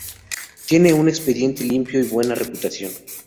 Tiene un expediente limpio y una buena reputación.